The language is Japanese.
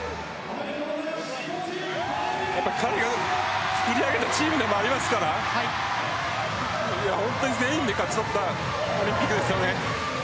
彼が作り上げたチームでもありますから全員で勝ち取ったオリンピックですよね。